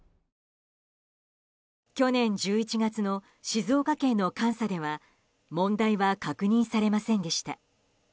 去年１１月の静岡県の監査では問題は確認されませんでした。